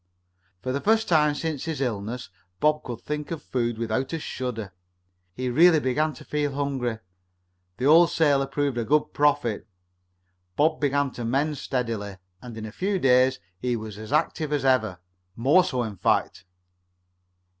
For the first time since his illness Bob could think of food without a shudder. He really began to feel hungry. The old sailor proved a good prophet. Bob began to mend steadily, and in a few days he was as active as ever more so, in fact.